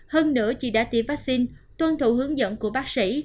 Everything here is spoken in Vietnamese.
hơn nửa chị đã tìm vaccine tuân thủ hướng dẫn của bác sĩ